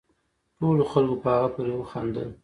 ټولو خلقو په هغه پورې وخاندل